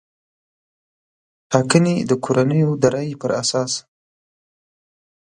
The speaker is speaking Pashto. ټاګنې د کورنیو د رایې پر اساس